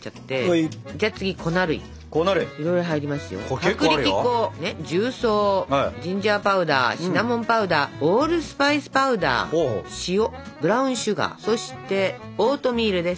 薄力粉重曹ジンジャーパウダーシナモンパウダーオールスパイスパウダー塩ブラウンシュガーそしてオートミールです。